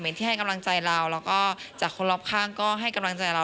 ที่ให้กำลังใจเราแล้วก็จากคนรอบข้างก็ให้กำลังใจเรา